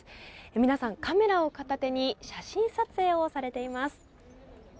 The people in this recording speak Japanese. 皆さん、カメラを片手に写真撮影をされています。